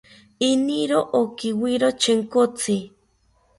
Iniro okiwiro Chenkotzi